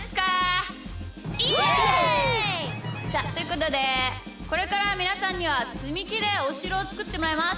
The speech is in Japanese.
イエイ！さあということでこれからみなさんにはつみきでおしろをつくってもらいます！